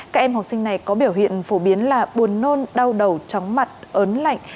các em học sinh này có biểu hiện phổ biến là buồn nôn đau đầu chóng mặt ớn lạnh